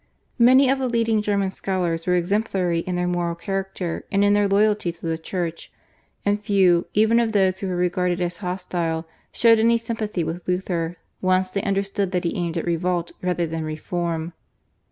Many of the leading German scholars were exemplary in their moral character and in their loyalty to the Church, and few, even of those who were regarded as hostile, showed any sympathy with Luther once they understood that he aimed at revolt rather than reform.